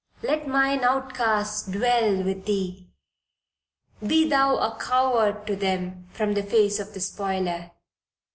Let mine outcasts dwell with thee; be thou a covert to them from the face of the spoiler."